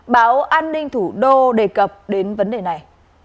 báo an ninh thủ đô đề cập đến vấn đề này